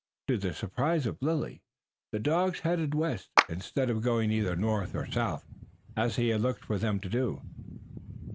To the surprise of Lilly, the dogs headed west instead of going either north or south, as he had looked for them to do.